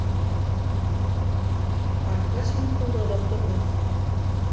Анкас һинең ҡулда оҙаҡ тормаҫ.